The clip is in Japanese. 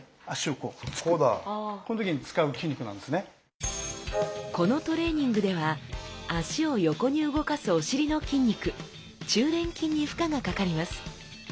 このトレーニングでは脚を横に動かすお尻の筋肉中臀筋に負荷がかかります。